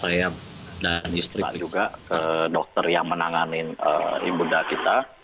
saya dan istri saya juga ke dokter yang menangani ibu bunda kita